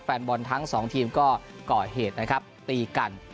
แฟนบอลทั้งสองทีมก็ก่อเหตุนะครับตีกัน